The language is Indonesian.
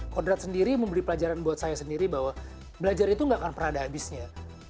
kodrat sendiri memberi pelajaran buat saya sendiri bahwa belajar itu gak akan pernah ada habisnya